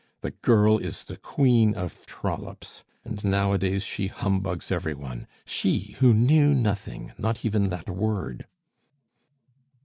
The girl is the Queen of Trollops; and nowadays she humbugs every one she who knew nothing, not even that word."